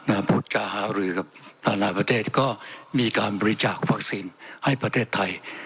พุทธกาหารือกับนานาประเทศก็มีการบริจาควัคซีนให้ประเทศไทย